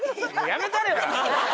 やめたれや！